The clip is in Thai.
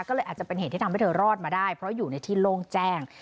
ก็เลยอาจจะเป็นเหตุที่ทำให้เธอรอดมาได้เพราะอยู่ในที่โล่งแจ้ง